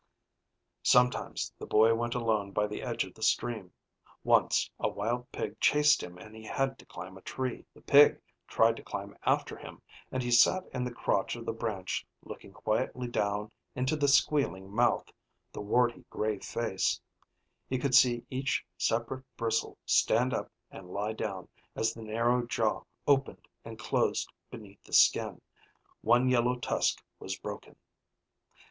Sometimes the boy went alone by the edge of the stream. Once a wild pig chased him and he had to climb a tree. The pig tried to climb after him and he sat in the crotch of the branch looking quietly down into the squealing mouth, the warty gray face; he could see each separate bristle stand up and lie down as the narrow jaw opened and closed beneath the skin. One yellow tusk was broken.